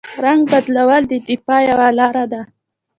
رنګ بدلول د دفاع یوه لاره ده